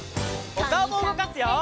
おかおもうごかすよ！